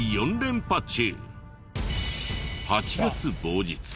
８月某日。